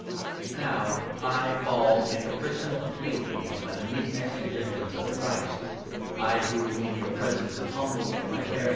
Now, I, Paul, make a personal appeal to you by Assertion the meekness and gentleness of the Christ — I who, or hi* "in your presence, am humble in my bearing Authority.